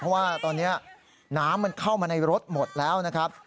เพราะว่าตอนนี้น้ำมันเข้ามาในรถหมดแล้วนะครับ